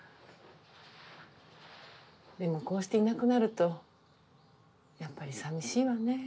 でもこうしていなくなるとやっぱり寂しいわね。